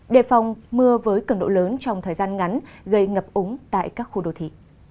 đề phòng mưa với cứng độ lớn trong thời gian ngắn gây ngập úng tại các khu đô thị